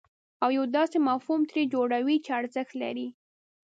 او یو داسې مفهوم ترې جوړوئ چې ارزښت لري.